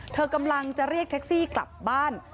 เธอกำลังจะเรียกแท็กซี่กลับบ้าน